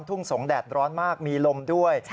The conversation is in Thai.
ทุ่งสงศแดดร้อนมากมีลมด้วย